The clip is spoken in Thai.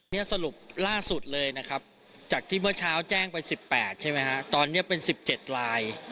นี่สรุปล่าสุดเลยนะครับจากที่เมื่อเช้าแจ้งไป๑๘ใช่ไหมฮะตอนนี้เป็น๑๗ลาย